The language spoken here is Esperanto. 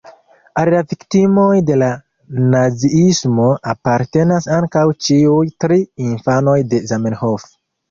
Al la viktimoj de la naziismo apartenas ankaŭ ĉiuj tri infanoj de Zamenhof.